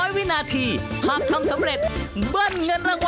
อีกแล้วอีกแล้วอีกแล้ว